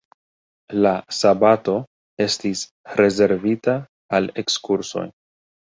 La sabato estis rezervita al ekskursoj.